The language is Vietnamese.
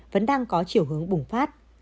vẫn đang có chiều hướng bùng phát